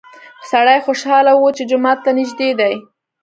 سړی خوشحاله و چې جومات ته نږدې دی.